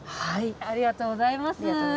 ありがとうございます。